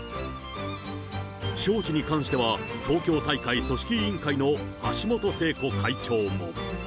招致に関しては、東京大会組織委員会の橋本聖子会長も。